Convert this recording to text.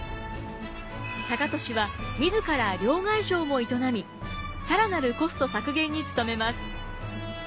高利は自ら両替商も営み更なるコスト削減に努めます。